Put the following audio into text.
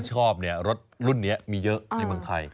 คนที่ชอบเนี่ยรถรุ่นนี้มีเยอะในบางไทย